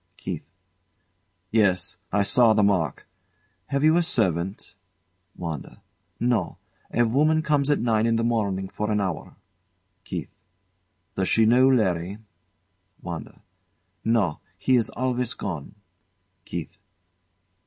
KEITH. Yes. I saw the mark. Have you a servant? WANDA. No. A woman come at nine in the morning for an hour. KEITH. Does she know Larry? WANDA. No. He is always gone. KEITH.